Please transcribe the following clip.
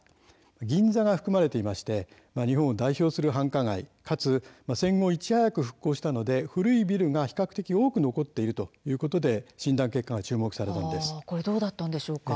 銀座が含まれていて日本を代表する繁華街でかつ戦後いち早く復興したため古いビルが比較的多く残っているということで診断結果が注目されました。